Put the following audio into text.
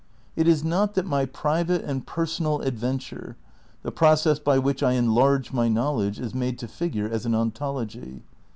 It is not that my private and personal adventure, the process by which I enlarge my know ledge, is made to figure as an ontology.